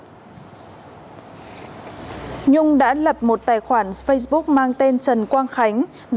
nhung đã lập một tài khoản facebook mang tên trần quang khánh